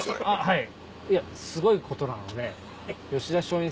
はい。